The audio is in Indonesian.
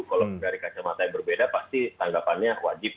kalau dari kacamata yang berbeda pasti tanggapannya wajib